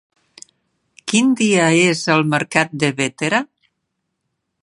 Quin dia és el mercat de Bétera?